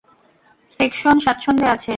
Section স্বাচ্ছন্দে আছে।